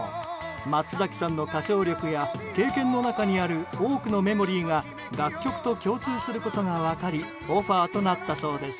松崎さんの歌唱力や経験の中にある多くのメモリーが楽曲と共通することが分かりオファーとなったそうです。